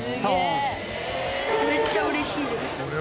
めっちゃうれしいです。